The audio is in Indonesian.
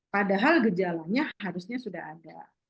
padahal gejalanya harusnya sudah ada